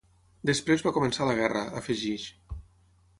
Després va començar la guerra, afegeix.